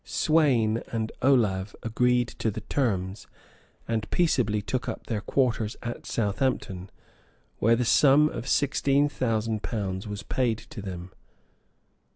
Sweyn and Olave agreed to the terms, and peaceably took up their quarters at Southampton, where the sum of sixteen thousand pounds was paid to them.